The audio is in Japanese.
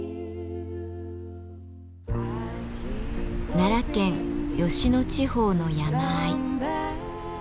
奈良県吉野地方の山あい。